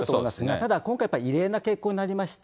ただ、今回やっぱり、異例な結婚になりました。